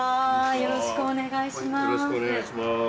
よろしくお願いします。